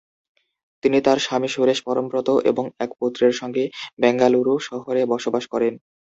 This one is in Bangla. তিনি তার স্বামী সুরেশ পরমব্রত এবং এক পুত্রের সঙ্গে বেঙ্গালুরু শহরে বসবাস করেন।